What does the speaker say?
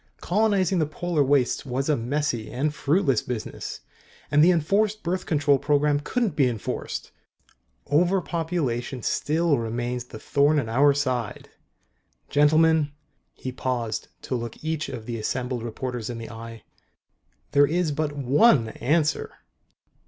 Colonizing the Polar Wastes was a messy and fruitless business. And the Enforced Birth Control Program couldn't be enforced. Overpopulation still remains the thorn in our side. Gentlemen " He paused to look each of the assembled reporters in the eye. " there is but one answer."